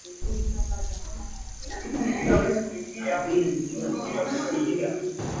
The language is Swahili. ni victor abuso nakutakia jumapili njema na kama kawaida